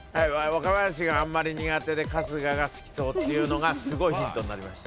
若林が苦手で春日が好きそうってのがすごいヒントになりました。